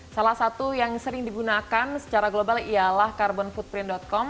salah satu yang sering digunakan secara global ialah carbon footprint com